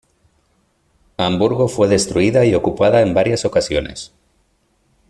Hamburgo fue destruida y ocupada en varias ocasiones.